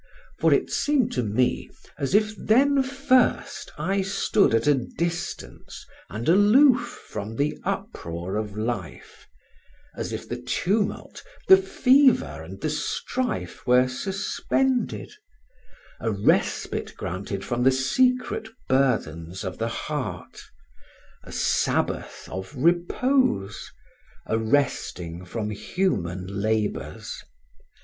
For it seemed to me as if then first I stood at a distance and aloof from the uproar of life; as if the tumult, the fever, and the strife were suspended; a respite granted from the secret burthens of the heart; a sabbath of repose; a resting from human labours.